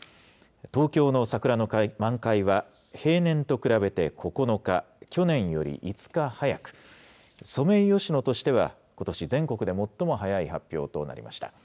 東京の桜の満開は、平年と比べて９日、去年より５日早く、ソメイヨシノとしてはことし全国で最も早い発表となりました。